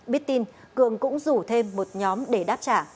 biết tin cường cũng rủ thêm một nhóm để đáp trả